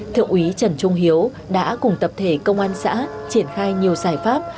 thượng úy trần trung hiếu đã cùng tập thể công an xã triển khai nhiều giải pháp